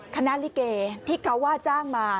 ลิเกที่เขาว่าจ้างมา